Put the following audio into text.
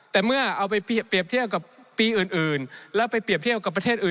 แต่เมื่อเอาไปเปรียบเทียบกับปีอื่นแล้วไปเปรียบเทียบกับประเทศอื่น